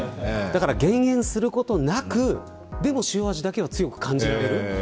減塩することなくでも塩味だけを強く感じられる。